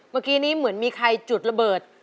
เมื่อกี้นี้เหมือนมีใครจุดระเบิด